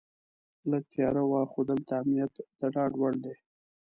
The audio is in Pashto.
لږه تیاره وه خو دلته امنیت د ډاډ وړ دی.